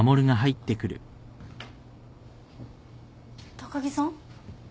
高木さん？